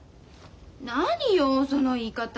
何よその言い方。